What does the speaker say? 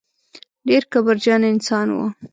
ډېر کبرجن انسان و.